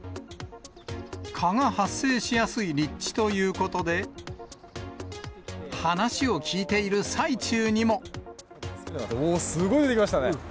蚊が発生しやすい立地というおー、すごい出てきましたね。